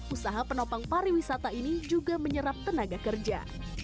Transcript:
usaha penopang pariwisata ini juga menyerap tenaga kerja